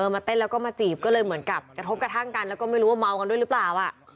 มาเต้นแล้วก็มาจีบก็เลยเหมือนกับกระทบกระทั่งกันแล้วก็ไม่รู้ว่าเมากันด้วยหรือเปล่า